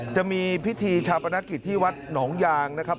จะมีพิธีชาปนกิจที่วัดหนองยางนะครับ